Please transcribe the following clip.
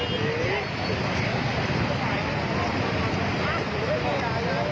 เยี่ยมมากครับ